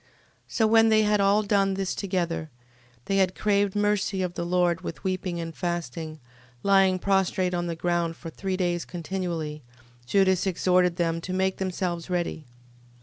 13:12. So when they had all done this together, and had craved mercy of the Lord with weeping and fasting, lying prostrate on the ground for three days continually, Judas exhorted them to make themselves ready.